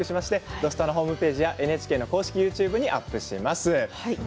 「土スタ」ホームページやＮＨＫ公式ＹｏｕＴｕｂｅでアップします。